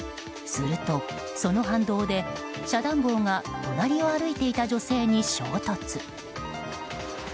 すると、その反動で遮断棒が隣を歩いていた女性に衝突。